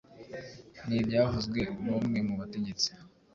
Ni ibyavuzwe n'umwe mu bategetsi